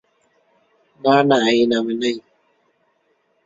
না না এই নামে নেই।